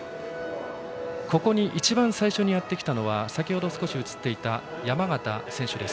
ここに一番最初にやってきたのは先ほど少し映っていた山縣選手です。